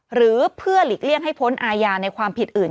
หรือเพื่อหลีกเลี่ยงให้พ้นอาญาในความผิดอื่น